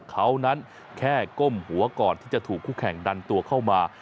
เขานั้นแค่ก้มหัวก่อนที่จะถูกคู่แข่งดันตัวเข้ามา